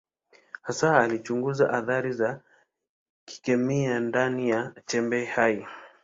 Hasa alichunguza athari za kikemia ndani ya chembe hai.